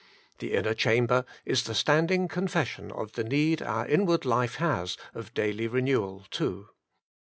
The inner chamber is the standing confession of the Need Our Inward Life Has of Daily Kenewal too.